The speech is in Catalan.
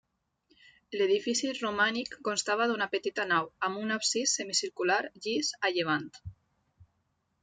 L'edifici romànic constava d'una petita nau, amb un absis semicircular llis a llevant.